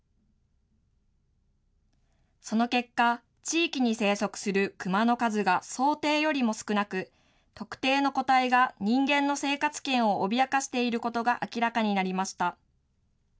その結果、地域に生息するクマの数が想定よりも少なく、特定の個体が人間の生活圏を脅かしていることが明らかになりました。